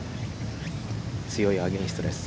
強いアゲインストです。